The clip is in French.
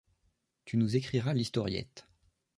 Tu nous écriras l’historiette.